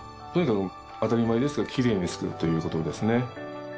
とにかく当たり前ですけどきれいに作るということですね。